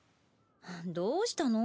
どうしたの？